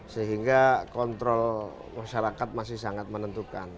sehingga kontrol masyarakat masih sangat menentukan